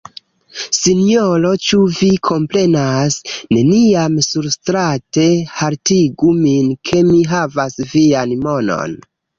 Sinjoro, ĉu vi komprenas? Neniam surstrate haltigu min ke mi havas vian monon.